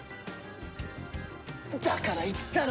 だから言ったろ。